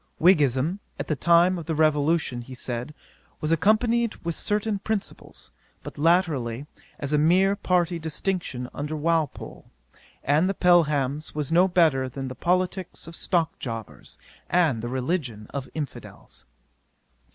Whiggism, at the time of the Revolution, he said, was accompanied with certain principles; but latterly, as a mere party distinction under Walpole and the Pelhams was no better than the politicks of stock jobbers, and the religion of infidels.